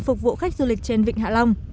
phục vụ khách du lịch trên vịnh hạ long